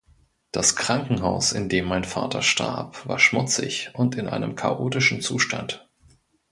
Das Krankenhaus, in dem mein Vater starb, war schmutzig und in einem chaotischen Zustand.